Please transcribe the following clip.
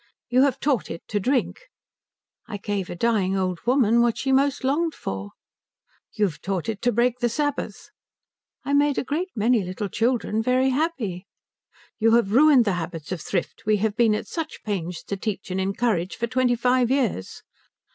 "You have taught it to drink." "I gave a dying old woman what she most longed for." "You've taught it to break the Sabbath." "I made a great many little children very happy." "You have ruined the habits of thrift we have been at such pains to teach and encourage for twenty five years."